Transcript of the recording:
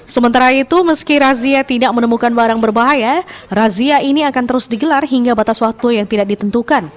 sementara itu meski razia tidak menemukan barang berbahaya razia ini akan terus digelar hingga batas waktu yang tidak ditentukan